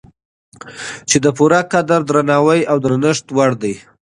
چې د پوره قدر، درناوي او درنښت وړ دی